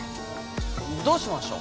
どうしましょう？